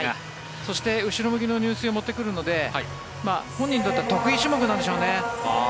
そして後ろ向きの入水を持ってくるので本人にとっては得意種目なんでしょうね。